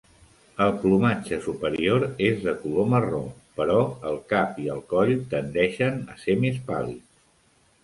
El plomatge superior és de color marró, però el cap i el coll tendeixen a ser més pàl·lids.